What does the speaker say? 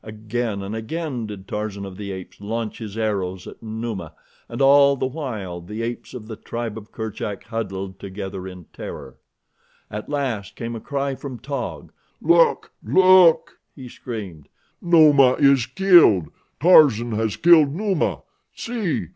Again and again did Tarzan of the Apes launch his arrows at Numa, and all the while the apes of the tribe of Kerchak huddled together in terror. At last came a cry from Taug. "Look! Look!" he screamed. "Numa is killed. Tarzan has killed Numa. See!